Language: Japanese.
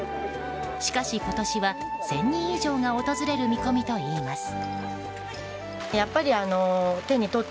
しかし今年は１０００人以上が訪れる見込みといいます。